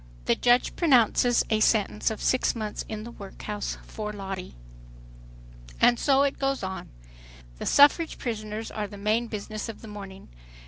The judge pronounces a sentence of "six months in the workhouse," for Lottie. And so it goes on. The suffrage prisoners are the main business of the morning.